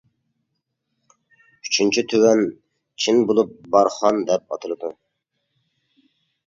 ئۈچىنچى، تۆۋەن چىن بولۇپ بارخان دەپ ئاتىلىدۇ.